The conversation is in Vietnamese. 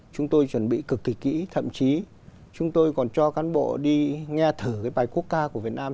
chúng tôi chuẩn bị cực kỳ kỹ thậm chí chúng tôi còn cho cán bộ đi nghe thử cái bài quốc ca của việt nam